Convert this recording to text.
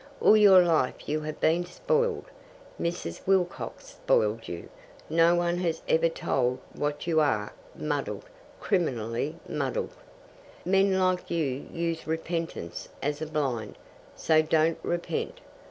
All your life you have been spoiled. Mrs. Wilcox spoiled you. No one has ever told what you are muddled, criminally muddled. Men like you use repentance as a blind, so don't repent.